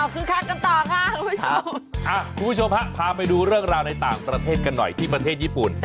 ครูผู้ชมพาไปดูเรื่องราวต่างประเทศกันหน่อยที่ประเทศญี่ปุ่น